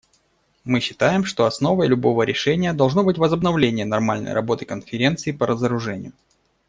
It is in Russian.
Мы считаем, что основой любого решения должно быть возобновление нормальной работы Конференции по разоружению.